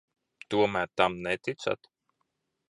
Tomēr tam neticat?